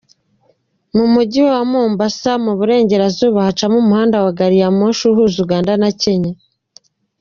Mu Mujyi wa Mombasa mu burengerazuba hacamo umuhanda wa gariyamoshi uhuza Uganda na Kenya.